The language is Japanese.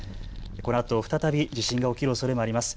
このあと再び地震が起きるおそれもあります。